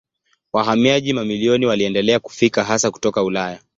Wahamiaji mamilioni waliendelea kufika hasa kutoka Ulaya.